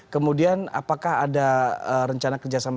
kemudian apakah ada rencana kerjasama